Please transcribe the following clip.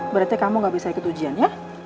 berarti kamu gak bisa ikut ujian ya